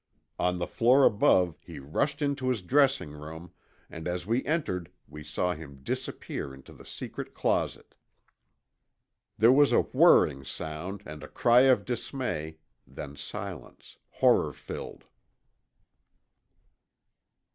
On the floor above he rushed into his dressing room, and as we entered we saw him disappear into the secret closet. There was a whirring sound and a cry of dismay, then silence, horror filled.